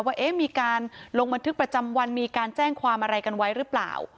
ว่ามีการลงบันทึกประจำวันมีการแจ้งความอะไรกันไว้หรือเปล่า